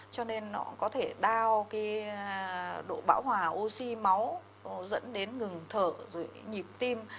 cho nên nó có thể đau cái độ bão hòa oxy máu dẫn đến ngừng thở nhịp tim